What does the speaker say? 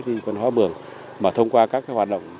những văn hóa mường mà thông qua các hoạt động